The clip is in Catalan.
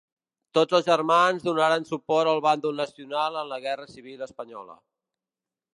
Tots els germans donaren suport al Bàndol nacional en la Guerra Civil espanyola.